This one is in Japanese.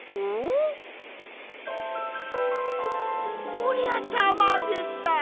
こりゃたまげた！